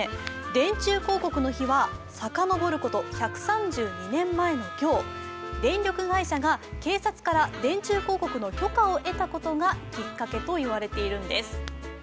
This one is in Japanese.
電柱広告の日は遡ること１３２年前の今日、電力会社が警察から電柱広告の許可を得たことがきっかけと言われているんです。